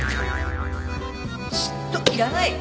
嫉妬いらない。